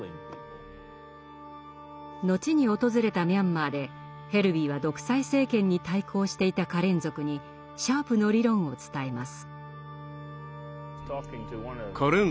後に訪れたミャンマーでヘルヴィーは独裁政権に対抗していたカレン族にシャープの理論を伝えます。